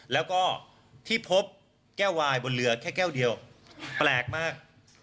แล้วก็ที่พบแก้ววายบนเรือแค่แก้วเดียวแปลกมาก